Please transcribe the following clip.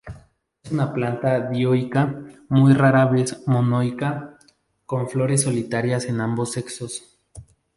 Es una planta dioica, muy rara vez monoica, con flores solitarias en ambos sexos.